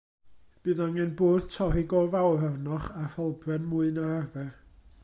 Bydd angen bwrdd torri go fawr arnoch, a rholbren mwy na'r arfer.